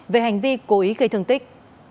về hành vi cố ý cây thương tích